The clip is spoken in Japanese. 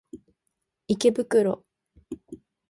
池袋